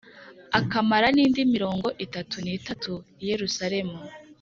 akamara n’indi mirongo itatu n’itatu i Yerusalemu.